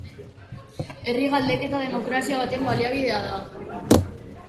Herri galdeketa demokrazia baten baliabidea da.